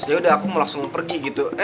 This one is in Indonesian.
yaudah aku mau langsung pergi gitu